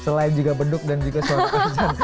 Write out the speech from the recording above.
selain juga beduk dan juga suara kerjaan